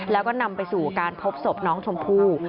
แล้วก็นำไปสู่การพบศพน้องชมพู่